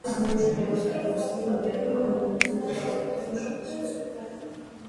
Ուստի ինֆարկտն անվանում են նաև անոթային կամ իշեմիկ մեռուկ։